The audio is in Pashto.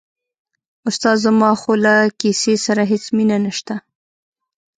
استاده زما خو له کیسې سره هېڅ مینه نشته.